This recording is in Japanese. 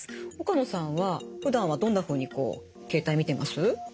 岡野さんはふだんはどんなふうにこう携帯見てます？